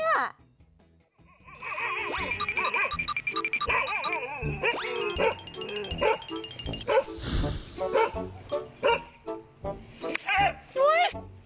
อุ้ยอุ๊ย